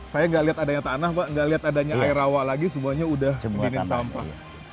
saya nggak lihat adanya tanah pak nggak lihat adanya air rawa lagi semuanya udah gini sampah